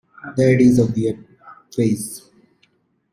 That is a weird phrase.